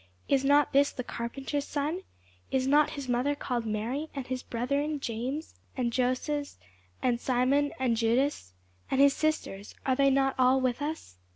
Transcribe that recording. Is not this the carpenter's son? Is not his mother called Mary? and his brethren, James, and Joses, and Simon, and Judas? And his sisters, are they not all with us?